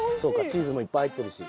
チーズもいっぱい入ってるし。